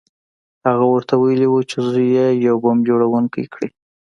هغه ورته ویلي وو چې زوی یې یو بم جوړ کړی